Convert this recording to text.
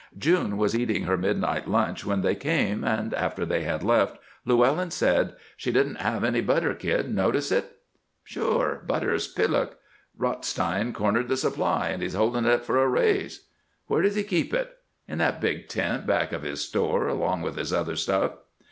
June was eating her midnight lunch when they came, and after they had left Llewellyn said: "She didn't have any butter, Kid. Notice it?" "Sure. Butter's peluk. Rothstein cornered the supply, and he's holding it for a raise." "Where does he keep it?" "In that big tent back of his store, along with his other stuff."